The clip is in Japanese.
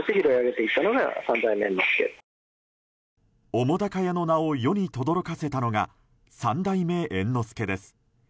澤瀉屋の名を世にとどろかせたのが三代目猿之助です。